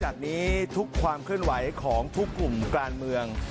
จากนี้ทุกความเคลื่อนไหวของทุกกลุ่มการเมือง